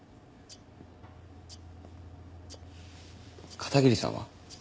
片桐さんは？